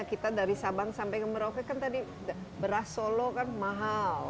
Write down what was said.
kita dari sabang sampai ke merauke kan tadi beras solo kan mahal